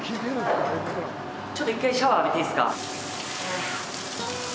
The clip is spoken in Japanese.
ちょっと１回シャワー浴びていいですか？